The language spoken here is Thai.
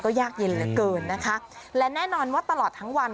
ยากเย็นเหลือเกินนะคะและแน่นอนว่าตลอดทั้งวัน